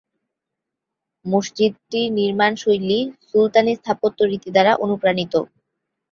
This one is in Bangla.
মসজিদটির নির্মাণ শৈলী সুলতানি স্থাপত্য রীতি দ্বারা অনুপ্রাণিত।